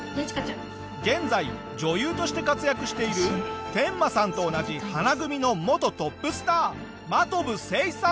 現在女優として活躍しているテンマさんと同じ花組の元トップスター真飛聖さん。